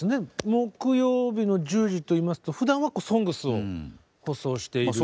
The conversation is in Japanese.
木曜日の１０時といいますとふだんは「ＳＯＮＧＳ」を放送している。